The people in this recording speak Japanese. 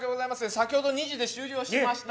先ほど２時で終了しました。